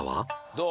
どう？